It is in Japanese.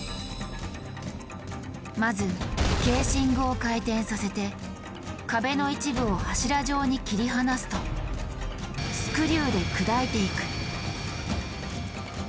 まずケーシングを回転させて壁の一部を柱状に切り離すとスクリューで砕いていく。